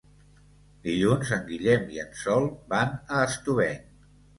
Dilluns en Guillem i en Sol van a Estubeny.